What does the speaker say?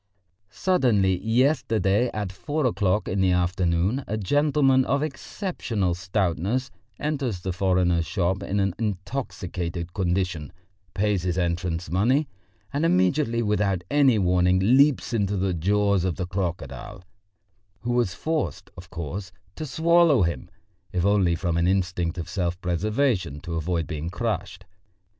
Suddenly yesterday at four o'clock in the afternoon a gentleman of exceptional stoutness enters the foreigner's shop in an intoxicated condition, pays his entrance money, and immediately without any warning leaps into the jaws of the crocodile, who was forced, of course, to swallow him, if only from an instinct of self preservation, to avoid being crushed.